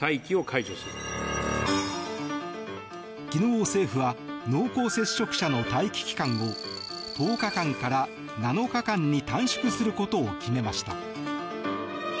昨日、政府は濃厚接触者の待機期間を１０日間から７日間に短縮することを決めました。